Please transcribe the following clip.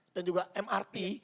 dan juga mrt